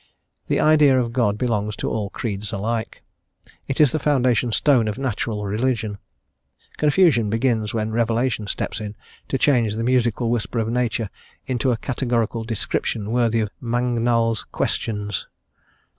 The idea of God belongs to all creeds alike; it is the foundation stone of natural religion; confusion begins when revelation steps in to change the musical whisper of Nature into a categorical description worthy of "Mangnall's Questions."